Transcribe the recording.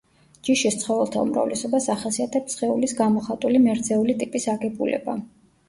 ჯიშის ცხოველთა უმრავლესობას ახასიათებს სხეულის გამოხატული მერძეული ტიპის აგებულება.